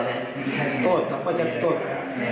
รถเราเทรกรดสภาพอย่างด่วนด้วยมั้ย